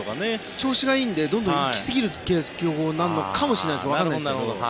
調子がいいのでどんどん行きすぎる起用法になるのかどうかわからないですけど。